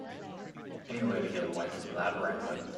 Anywhere to get away from that wrangling.